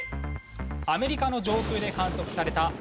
アメリカの上空で観測された珍しい雷。